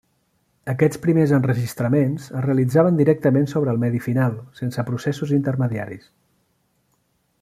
Aquests primers enregistraments es realitzaven directament sobre el medi final, sense processos intermediaris.